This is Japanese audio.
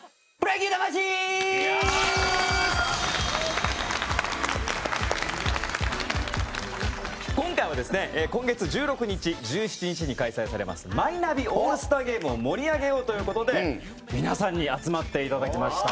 清水：今回はですね、今月１６日、１７日に開催されますマイナビオールスターゲームを盛り上げようという事で皆さんに集まっていただきました。